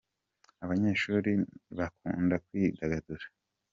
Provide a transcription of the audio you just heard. Abanyeshuri bakunda kwidagadura.